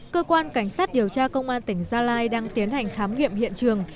cơ quan cảnh sát điều tra công an tỉnh gia lai đang tiến hành khám nghiệm hiện trường